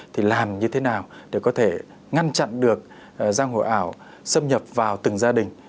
thì làm như thế nào để có thể ngăn chặn được giang hồ ảo xâm nhập vào từng gia đình